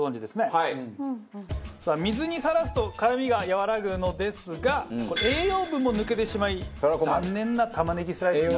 水にさらすと辛みが和らぐのですが栄養分も抜けてしまい残念な玉ねぎスライスに。